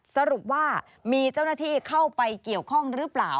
สรุปว่ามีเจ้าหน้าที่เข้าไปเกี่ยวข้องหรือเปล่า